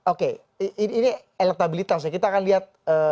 oke ini elektabilitasnya kita akan lihat